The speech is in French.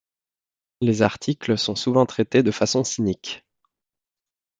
Les articles sont souvent traités de façon cynique.